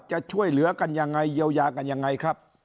จะช่วยเหลือกันยังไงเยียวยากันยังไงครับ